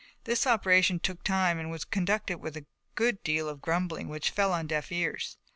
This operation took time and was conducted with a good deal of grumbling which fell on deaf ears.